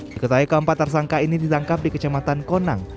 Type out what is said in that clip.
diketahui keempat tersangka ini ditangkap di kecamatan konang